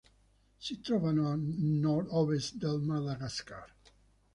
Si trovano a nord-ovest del Madagascar.